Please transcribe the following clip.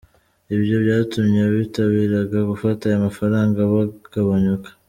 Ibyo byatumye abitabiraga gufata ayo mafaranga bagabanyuka.